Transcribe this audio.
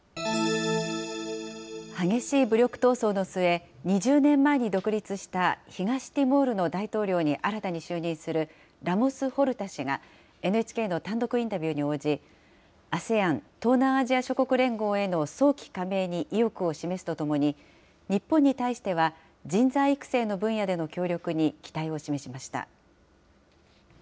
激しい武力闘争の末、２０年前に独立した東ティモールの大統領に新たに就任するラモス・ホルタ氏が、ＮＨＫの単独インタビューに応じ、ＡＳＥＡＮ・東南アジア諸国連合への早期加盟に意欲を示すとともに、日本に対しては、人材育成の分野での協力に期待を示しました。